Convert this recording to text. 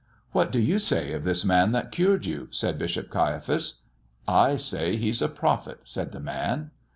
"What do you say of this Man that cured you?" said Bishop Caiaphas. "I say he's a prophet," said the man.